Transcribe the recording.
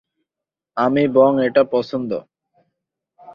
আমি বরং এটা পছন্দ!